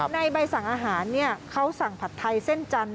ใบสั่งอาหารเขาสั่งผัดไทยเส้นจันทร์